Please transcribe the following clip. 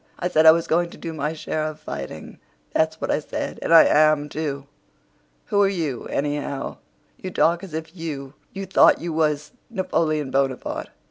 I said I was going to do my share of fighting—that's what I said. And I am, too. Who are you, anyhow? You talk as if you thought you was Napoleon Bonaparte."